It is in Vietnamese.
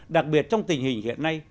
đặc biệt trong tình hình hiện nay